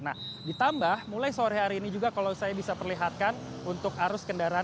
nah ditambah mulai sore hari ini juga kalau saya bisa perlihatkan untuk arus kendaraan